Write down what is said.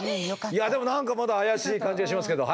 いや何かまだ怪しい感じがしますけど。